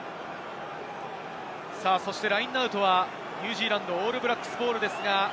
そしてラインアウトは、ニュージーランド・オールブラックスボールです。